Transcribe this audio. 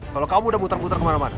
kalau kamu udah muter muter kemana mana